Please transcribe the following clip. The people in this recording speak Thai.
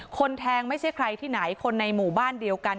คนแทงไม่ใช่ใครที่ไหนคนในหมู่บ้านเดียวกัน